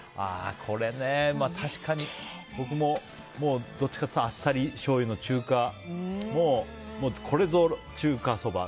これね、確かに僕もどっちかと言うとあっさりしょうゆのこれぞ中華そば。